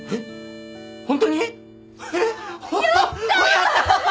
やったー！